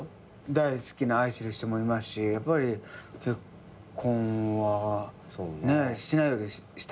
大好きな愛してる人もいますしやっぱり結婚はねしてないだけでしたいっすね。